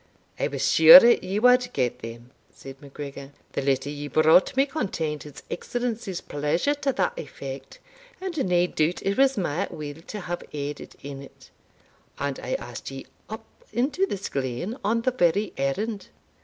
"I was sure ye wad get them," said MacGregor; "the letter ye brought me contained his Excellency's pleasure to that effect and nae doubt it was my will to have aided in it. And I asked ye up into this glen on the very errand.